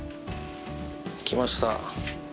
来ました。